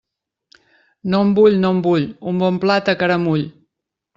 No en vull, no en vull, un bon plat a caramull.